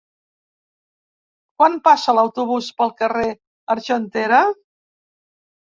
Quan passa l'autobús pel carrer Argentera?